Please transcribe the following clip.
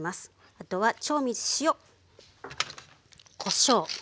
あとは調味塩こしょう。